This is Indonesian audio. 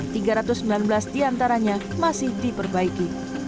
dan tiga ratus sembilan belas diantaranya masih diperbaiki